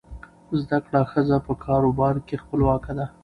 زده کړه ښځه په کار او کاروبار کې خپلواکه ده.